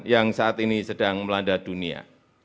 yang saat ini sedang melanda dunia